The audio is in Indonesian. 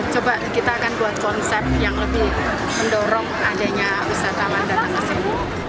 coba kita akan buat konsep yang lebih mendorong adanya wisatawan dan asing